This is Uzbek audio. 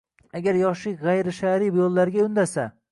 agar yoshlik g'ayri shar'iy yo'llarga undasa